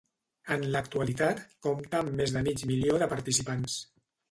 En l'actualitat compta amb més de mig milió de participants.